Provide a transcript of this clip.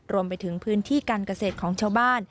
รวมไปถึงพื้นที่การเกษตรของชาวบ้าน